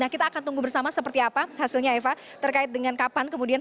kita akan tunggu bersama seperti apa hasilnya eva terkait dengan kapan kemudian